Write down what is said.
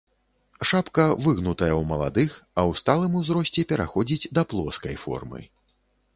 Шапка выгнутая ў маладых, а ў сталым узросце пераходзіць да плоскай формы.